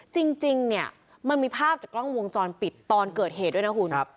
จริงเนี่ยมันมีภาพจากกล้องวงจรปิดตอนเกิดเหตุด้วยนะคุณ